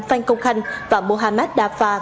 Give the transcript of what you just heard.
phan công khanh và mohamed afar